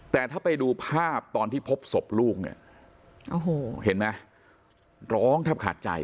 แต่ถ้าไปดูภาพตอนที่พบศพลูกเนี่ยโอ้โหเห็นไหมร้องแทบขาดใจ